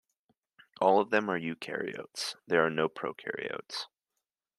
All of them are eukaryotes, there are no prokaryotes.